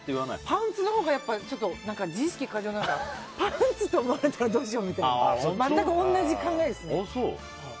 パンツのほうが自意識過剰だからパンツって思われたらどうしようっていう全く同じ考えですね。